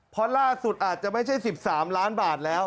เพราะล่าสุดอาจจะไม่ใช่๑๓ล้านบาทแล้ว